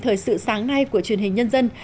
thời sự sáng nay của truyền hình nhân dân